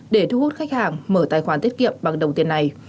để thu hút khách hàng mở tài khoản tiết kiệm bằng đồng tiền này